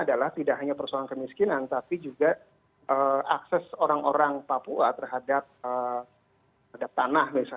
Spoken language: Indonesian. bagaimana untuk mereas masyarakat maybela untuk gemer very educational